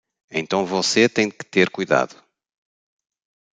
Então você tem que ter cuidado